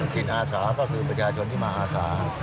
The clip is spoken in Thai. จิตอาสาก็คือประชาชนที่มาอาสา